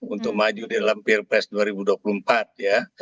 untuk maju dalam pilpres dua ribu dua puluh empat ya